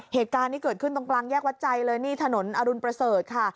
เหตุการณ์นี้เกิดขึ้นตรงกลางแยกวัดใจเลยนี่ถนนอรุณประเสริฐค่ะ